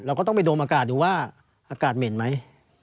ก็ต้องไปโดมอากาศดูว่าอากาศเหม็นไหม